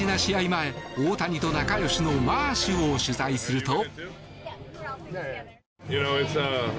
前大谷と仲よしのマーシュを取材すると。